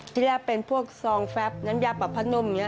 ที่แรกเป็นพวกซองแฟบน้ำยาปรับผ้านุ่มอย่างนี้